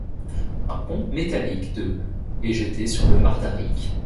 Un pont métallique de est jeté sur le Mardaric.